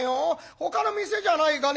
ほかの店じゃないかね」。